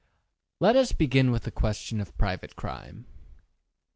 Let us begin with the question of private crime.